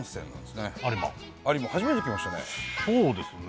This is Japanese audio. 有馬初めて来ましたね。